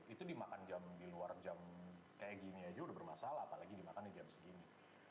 itu dimakan jam di luar jam kayak gini aja udah bermasalah apalagi dimakan di jam segini